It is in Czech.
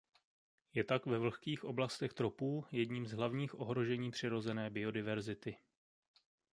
Je tak ve vlhkých oblastech tropů jedním z hlavních ohrožení přirozené biodiverzity.